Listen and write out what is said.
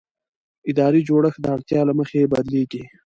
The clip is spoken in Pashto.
اداري جوړښت د اړتیا له مخې بدلېږي.